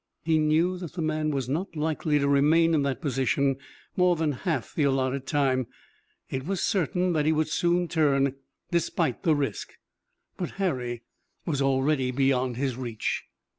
He knew that the man was not likely to remain in that position more than half the allotted time. It was certain that he would soon turn, despite the risk, but Harry was already beyond his reach.